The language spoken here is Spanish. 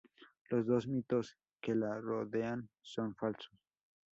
los dos mitos que la rodean son falsos